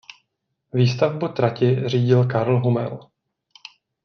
Výstavbu trati řídil Karl Hummel.